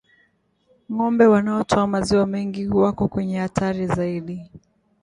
Ng'ombe wanaotoa maziwa mengi wako kwenye hatari zaidi